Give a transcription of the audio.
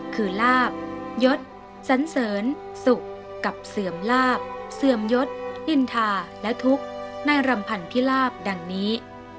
คือลาบยศสันเสริญสุขกับเสื่อมลาบเสื่อมยศอินทาและทุกข์ในรำพันธิลาบดังนี้